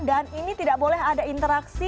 dan ini tidak boleh dilakukan bergantian